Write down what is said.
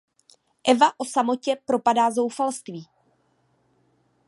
Eva o samotě propadá zoufalství.